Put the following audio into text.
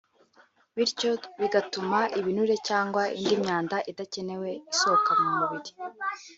bityo bigatuma ibinure cyangwa indi myanda idakenewe isohoka mu mubiri